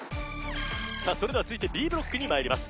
それでは続いてＢブロックにまいります